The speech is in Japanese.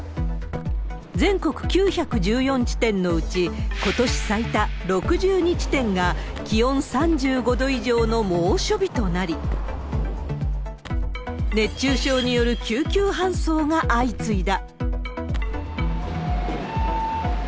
全国９１４地点のうち、ことし最多６２地点が気温３５度以上の猛暑日となり、熱中症による救急搬送が相次いだ。